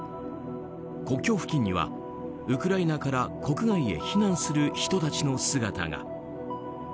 国境付近にはウクライナから国外へ避難する人たちの姿が。